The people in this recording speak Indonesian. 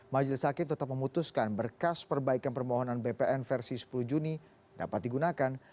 majelis hakim tetap memutuskan berkas perbaikan permohonan bpn versi sepuluh juni dapat digunakan